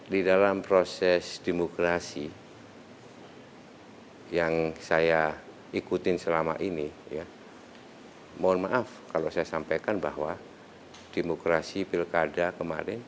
di dalam proses demokrasi yang saya ikutin selama ini ya mohon maaf kalau saya sampaikan bahwa demokrasi pilkada kemarin